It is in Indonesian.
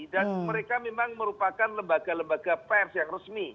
dan mereka memang merupakan lembaga lembaga pers yang resmi